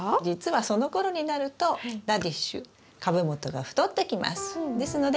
実はそのころになるとラディッシュ株元が太ってきます。